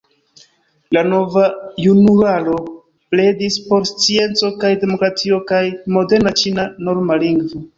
La Nova Junularo pledis por scienco kaj demokratio kaj moderna ĉina norma lingvo.